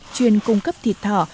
chuyên cung cấp thịt thỏ